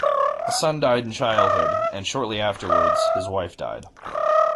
A son died in childhood, and shortly afterwards, his wife died.